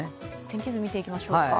天気図を見ていきましょうか。